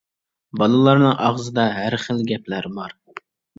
بالىلارنىڭ ئاغزىدا ھەر خىل گەپلەر بار.